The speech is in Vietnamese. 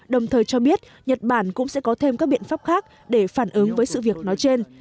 đồng thời cho biết nhật bản cũng sẽ có thêm các biện pháp khác để phản ứng với sự việc nói trên